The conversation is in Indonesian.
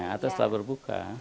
atau setelah berbuka